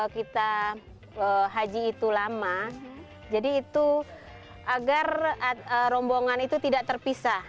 kita haji itu lama jadi itu agar rombongan itu tidak terpisah